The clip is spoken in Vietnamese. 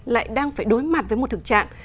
lại đang phải đối mặt với một thực trạng